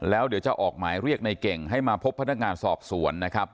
แล้วเดี๋ยวจะออกหมายเรียกในเก่งให้มาพบพนักงานสอบสวนนะครับ